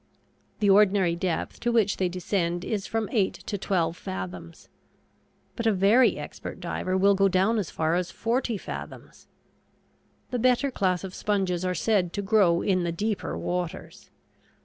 The ordinary depth to which they descend is from eight to twelve fathoms. But a very expert diver will go down as far as forty fathoms. The better class of sponges are said to grow in the deeper waters.